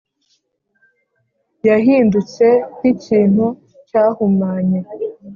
yahindutse nk’ikintu cyahumanye,